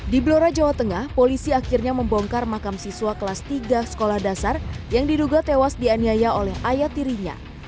di blora jawa tengah polisi akhirnya membongkar makam siswa kelas tiga sekolah dasar yang diduga tewas dianiaya oleh ayat tirinya